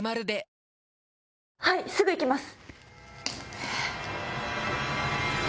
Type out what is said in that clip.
さらにはいすぐ行きます。